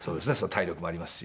体力もありますし。